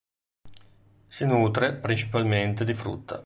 Si nutre principalmente di frutta.